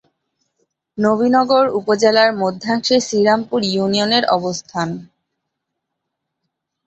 নবীনগর উপজেলার মধ্যাংশে শ্রীরামপুর ইউনিয়নের অবস্থান।